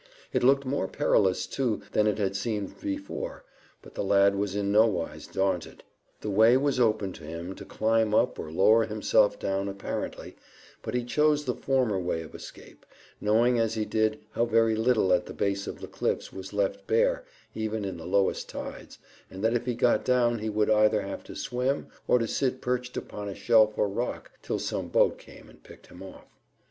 It looked more perilous too than it had seemed before, but the lad was in nowise daunted. The way was open to him to climb up or lower himself down apparently, but he chose the former way of escape, knowing as he did how very little at the base of the cliffs was left bare even in the lowest tides, and that if he got down he would either have to swim or to sit perched upon a shelf of rock till some boat came and picked him off.